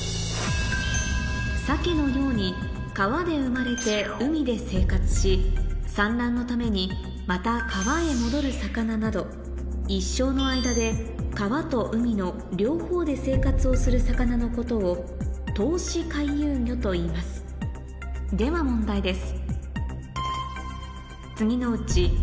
サケのように川で生まれて海で生活し産卵のためにまた川へ戻る魚など一生の間で川と海の両方で生活をする魚のことを通し回遊魚といいますでは問題です